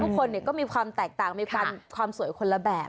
ทุกคนก็มีความแตกต่างมีความสวยคนละแบบ